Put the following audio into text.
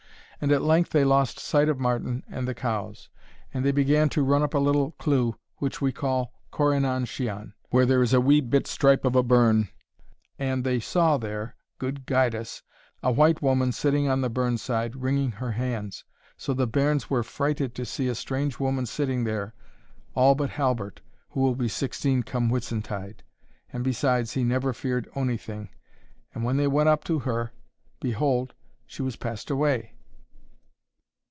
And at length they lost sight of Martin and the cows; and they began to run up a little cleugh which we call Corri nan Shian, where there is a wee bit stripe of a burn, and they saw there Good guide us! a White Woman sitting on the burnside wringing her hands so the bairns were frighted to see a strange woman sitting there, all but Halbert, who will be sixteen come Whitsuntide; and, besides, he never feared ony thing and when they went up to her behold she was passed away!"